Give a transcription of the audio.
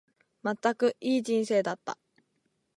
まったく、いい人生だった。